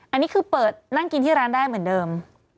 อันนี้คือเปิดนั่งกินที่ร้านได้เหมือนเดิม